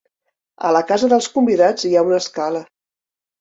A la casa dels convidats hi ha una escala.